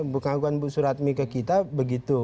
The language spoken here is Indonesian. pengakuan bu suratmi ke kita begitu